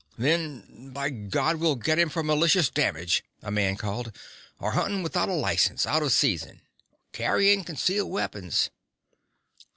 "Then, by God, we'll get him for malicious damage," a man called. "Or hunting without a license out of season!" " carrying concealed weapons!"